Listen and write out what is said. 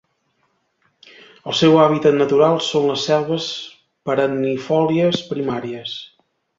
El seu hàbitat natural són les selves perennifòlies primàries.